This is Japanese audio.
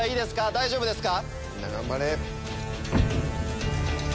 大丈夫ですか？